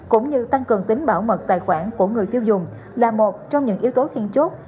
cũng như tăng cường tính bảo mật tài khoản của người tiêu dùng là một trong những yếu tố thiên chốt